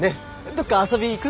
どっか遊び行く？